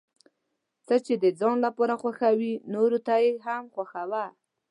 څه چې د ځان لپاره خوښوې نورو ته یې هم خوښوه.